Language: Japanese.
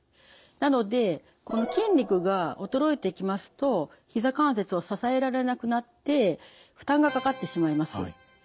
なのでこの筋肉が衰えてきますとひざ関節を支えられなくなって負担がかかってしまいます。